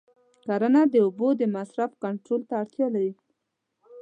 کرنه د اوبو د مصرف کنټرول ته اړتیا لري.